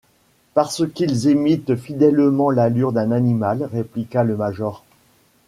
Parce qu’ils imitent fidèlement l’allure d’un animal? répliqua le major.